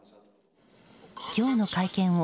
今日の会見を